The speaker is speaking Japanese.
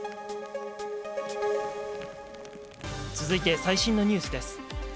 続いて、最新のニュースです。